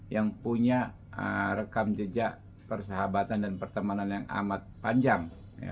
yang punya rekam jejak persahabatan dan pertemanan yang amat panjang